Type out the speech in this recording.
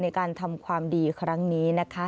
ในการทำความดีครั้งนี้นะคะ